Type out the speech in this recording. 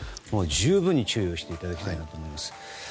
十分に注意していただきたいと思います。